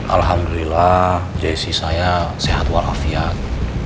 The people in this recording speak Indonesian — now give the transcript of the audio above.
alhamdulillah jessi saya sehat walafiat